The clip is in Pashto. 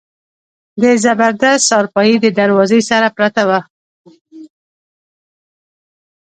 د زبردست څارپايي د دروازې سره پرته وه.